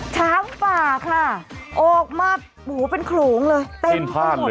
ช้างป่าค่ะออกมาหูเต็มพลมอดเลย